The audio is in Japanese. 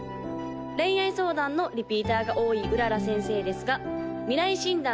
恋愛相談のリピーターが多い麗先生ですが未来診断